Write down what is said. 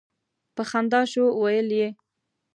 په خندا شو ویل یې.